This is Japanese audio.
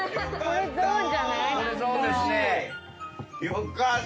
よかった。